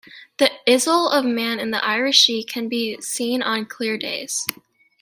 The Isle of Man in the Irish Sea can be seen on clear days.